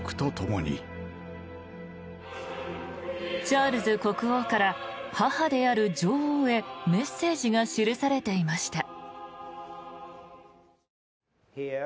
チャールズ国王から母である女王へメッセージが記されていました。